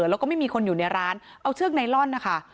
แล้วก็ไม่มีคนอยู่ในร้านเอาเชือกไนลอนนะคะ